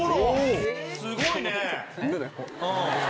すごいね。